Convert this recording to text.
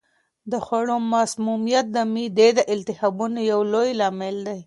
د خوړو مسمومیت د معدې د التهابونو یو لوی لامل دی.